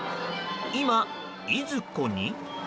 今いずこに？